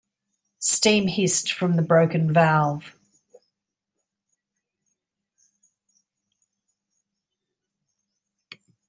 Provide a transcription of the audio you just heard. Steam hissed from the broken valve.